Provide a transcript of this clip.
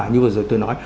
như vừa rồi tôi nói